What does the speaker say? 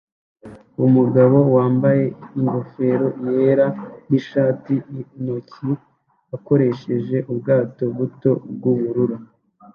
Umugabo wambaye ingofero yera nishati-intoki akoresheje ubwato buto bwubururu